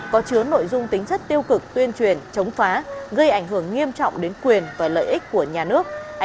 có chứa nội dung tính chất tiêu cực tuyên truyền chống phá gây ảnh hưởng nghiêm trọng đến quyền và lợi ích của nhà nước